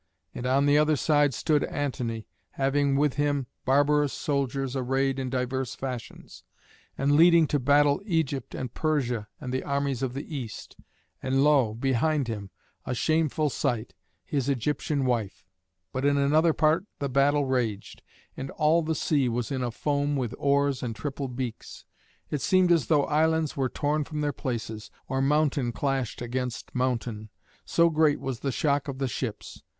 And on the other side stood Antony, having with him barbarous soldiers arrayed in divers fashions, and leading to battle Egypt and Persia and the armies of the East; and lo! behind him a shameful sight his Egyptian wife. But in another part the battle raged, and all the sea was in a foam with oars and triple beaks. It seemed as though islands were torn from their places, or mountain clashed against mountain, so great was the shock of the ships.